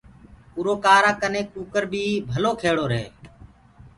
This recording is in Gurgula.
اُرو ڪآرآ ڪني ڪٚڪَر بيٚ ڀلو کيڙو رهي